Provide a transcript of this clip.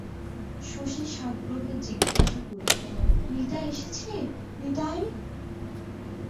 শশী সাগ্রহে জিজ্ঞাসা করিল, নিতাই এসেছে, নিতাই?